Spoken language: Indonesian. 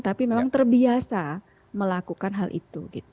tapi memang terbiasa melakukan hal itu